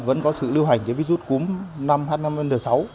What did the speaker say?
vẫn có sự lưu hành virus cúm h năm n sáu